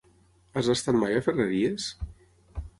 Has estat mai a Ferreries?